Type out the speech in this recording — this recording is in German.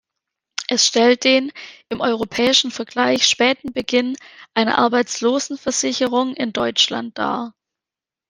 Es stellt den im europäischen Vergleich späten Beginn einer Arbeitslosenversicherung in Deutschland dar.